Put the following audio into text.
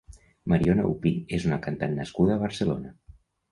Mariona Aupí és una cantant nascuda a Barcelona.